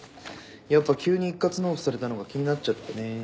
やっぱ急に一括納付されたのが気になっちゃってね。